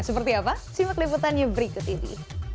seperti apa simak liputannya berikut ini